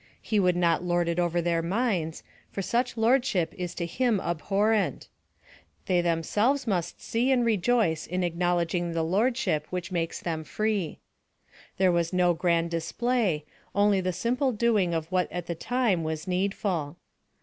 He will not lord it over their minds, for such lordship is to him abhorrent: they themselves must see and rejoice in acknowledging the lordship which makes them free. There was no grand display, only the simple doing of what at the time was needful.